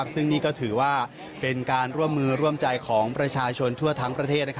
ซึ่งนี่ก็ถือว่าเป็นการร่วมมือร่วมใจของประชาชนทั่วทั้งประเทศ